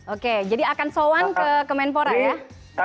oke jadi akan sowan ke kemenpora ya